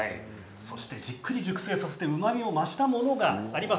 じっくり熟成させてうまみを蓄えたものがあります。